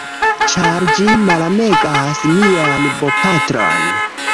ĉar ĝi malamegas mian bopatron.